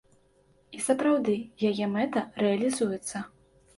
І сапраўды, яе мэта рэалізуецца.